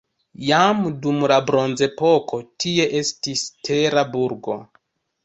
Jam dum la bronzepoko tie estis tera burgo.